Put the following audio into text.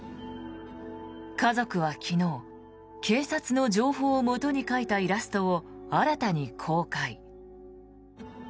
家族は昨日警察の情報をもとに描いたイラストを新たに公開。